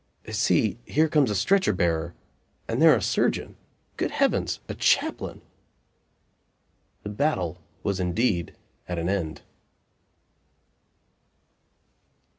See; here comes a stretcher bearer, and there a surgeon! Good heavens! a chaplain! The battle was indeed at an end.